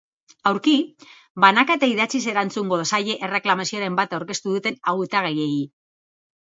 Aurki, banaka eta idatziz erantzungo zaie erreklamazioren bat aurkeztu duten hautagaiei.